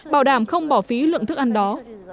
bảo đảm không bỏ phí lượng thức ăn đó